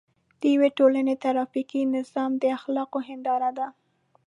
د یوې ټولنې ټرافیکي نظام د اخلاقو هنداره ده.